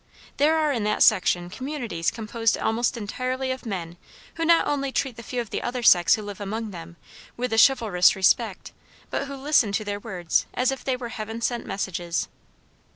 There are in that section communities composed almost entirely of men who not only treat the few of the other sex who live among them, with a chivalrous respect, but who listen to their words as if they were heaven sent messages.